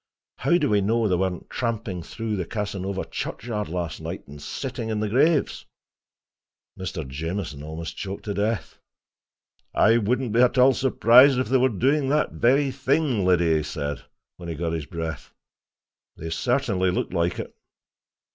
How do we know they weren't tramping through the Casanova churchyard last night, and sitting on the graves!" Mr. Jamieson almost choked to death. "I wouldn't be at all surprised if they were doing that very thing, Liddy," he said, when he got his breath. "They certainly look like it."